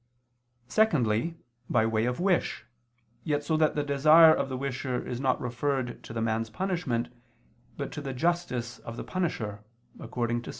Secondly, by way of wish, yet so that the desire of the wisher is not referred to the man's punishment, but to the justice of the punisher, according to Ps.